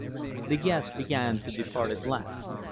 The guests began to depart at last.